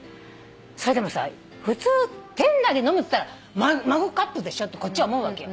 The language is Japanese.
それでもさ普通店内で飲むっつったらマグカップでしょってこっちは思うわけよ。